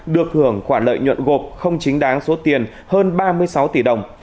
được hưởng khoản lợi nhuận gộp không chính đáng số tiền hơn ba mươi sáu tỷ đồng